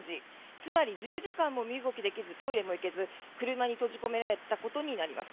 つまり、１０時間も身動きできずトイレもできず車に閉じ込められたことになります。